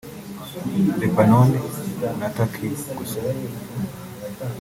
Lebanon na Turkey gusa